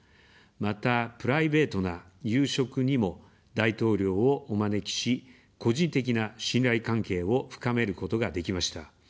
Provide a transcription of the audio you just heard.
また、プライベートな夕食にも大統領をお招きし、個人的な信頼関係を深めることができました。